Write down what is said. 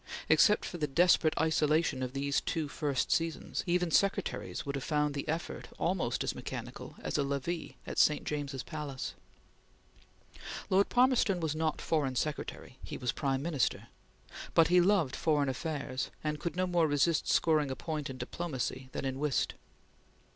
Except for the desperate isolation of these two first seasons, even secretaries would have found the effort almost as mechanical as a levee at St. James's Palace. Lord Palmerston was not Foreign Secretary; he was Prime Minister, but he loved foreign affairs and could no more resist scoring a point in diplomacy than in whist.